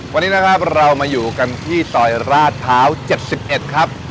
วันนี้นะครับเรามาอยู่กันที่ซอยราชพร้าว๗๑ครับ